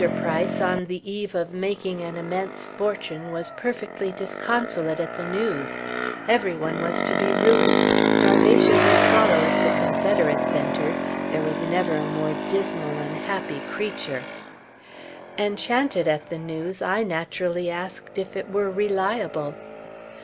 Price, on the eve of making an immense fortune, was perfectly disconsolate at the news. Every one was to be ruined; starvation would follow if the Confederates entered; there was never a more dismal, unhappy creature. Enchanted at the news, I naturally asked if it were reliable.